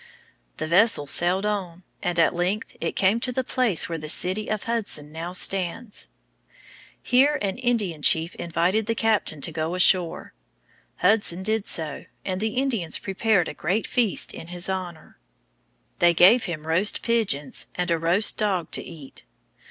The vessel sailed on, and at length it came to the place where the city of Hudson now stands. Here an Indian chief invited the captain to go ashore. Hudson did so, and the Indians prepared a great feast in his honor. They gave him roast pigeons and a roast dog to eat.